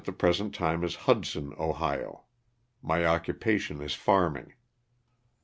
the present time is Hudson, Ohio. My occupation is farming.